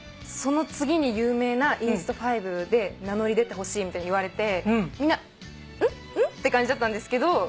その次に有名な東東東東東で名乗り出てほしいみたいに言われてみんな「ん？ん？」って感じだったんですけど。